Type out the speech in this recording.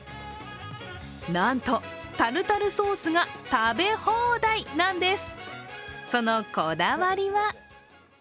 なんと、タルタルソースが食べ放題なんです。